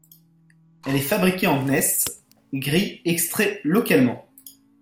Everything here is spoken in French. Elle est fabriquée en gneiss gris extrait localement.